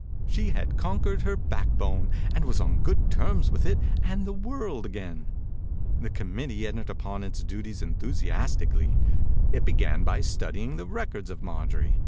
She had conquered her backbone and was on good 46 THE INCUBATOR BABY terms with it and the world again. The committee entered upon its duties enthusiastically. It be gan by studying the records of Marjorie.